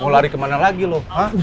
mau lari kemana lagi loh